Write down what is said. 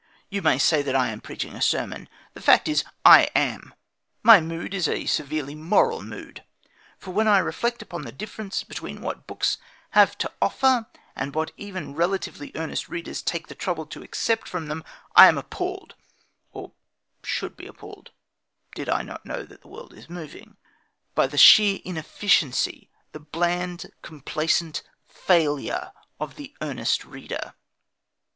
You may say that I am preaching a sermon. The fact is, I am. My mood is a severely moral mood. For when I reflect upon the difference between what books have to offer and what even relatively earnest readers take the trouble to accept from them, I am appalled (or should be appalled, did I not know that the world is moving) by the sheer inefficiency, the bland, complacent failure of the earnest reader.